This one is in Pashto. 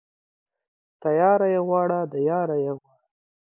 تياره يې غواړه ، د ياره يې غواړه.